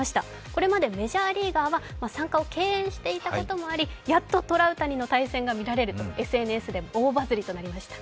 これまでメジャーリーガーは参加を敬遠してたこともありやっとトラウタニの対戦が見られるとＳＮＳでも大バズりとなりました。